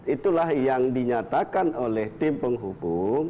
itulah yang dinyatakan oleh tim penghubung